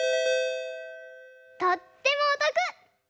とってもおとく！